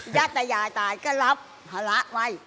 ญาติไบ้ยายตายก็รับพละไว้